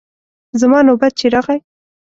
زما نوبت چې راغی.